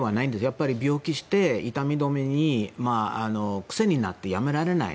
やっぱり病気をして痛み止めに癖になってやめられない。